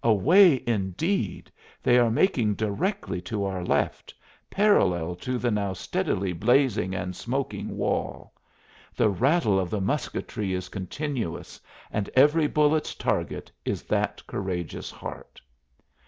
Away, indeed they are making directly to our left, parallel to the now steadily blazing and smoking wall. The rattle of the musketry is continuous, and every bullet's target is that courageous heart.